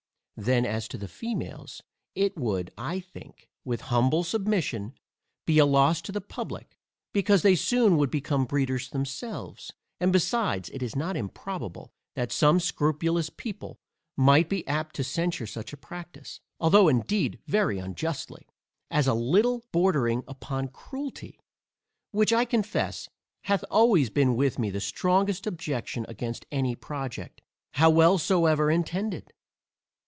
Then as to the females, it would, I think, with humble submission, be a loss to the publick, because they soon would become breeders themselves: and besides, it is not improbable that some scrupulous people might be apt to censure such a practice, (although indeed very unjustly) as a little bordering upon cruelty, which, I confess, hath always been with me the strongest objection against any project, how well soever intended.